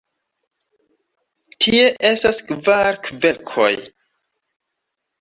Tie estas kvar kverkoj.